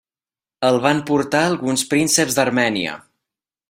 El van portar alguns prínceps d'Armènia.